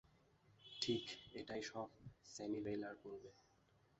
ঠিক, এটাই সব সানিভেইলার বলবে।